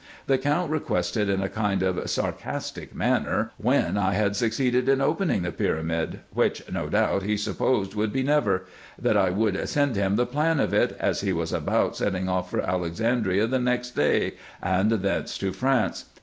The Count requested in a kind of sarcastic manner, when I had succeeded in opening the pyramid, which no doubt he supposed would be never, that I would send him the plan of it, as he was about setting off for Alexandria the next day, and thence to France.